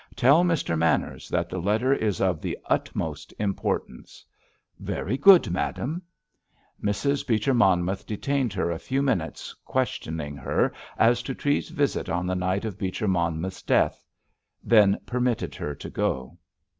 Tell Mr. Manners that the letter is of the utmost importance." "Very good, madame." Mrs. Beecher Monmouth detained her a few minutes, questioning her as to Treves's visit on the night of Beecher Monmouth's death; then permitted her to go.